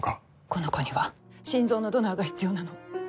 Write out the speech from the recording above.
「この子には心臓のドナーが必要なの」